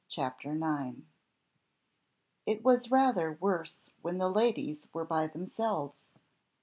CHAPTER IX. It was rather worse when the ladies were by themselves.